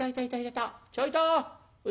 ちょいと！